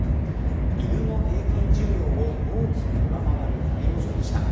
犬の平均寿命を大きく上回る大往生でした。